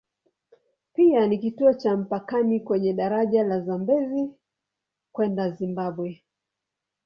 Pia ni kituo cha mpakani kwenye daraja la Zambezi kwenda Zimbabwe.